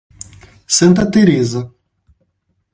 Santa Teresa